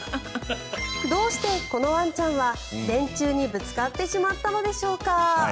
どうしてこのワンちゃんは電柱にぶつかってしまったのでしょうか。